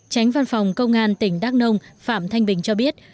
tránh văn phòng công an tỉnh đắc long phạm thanh bình cho biết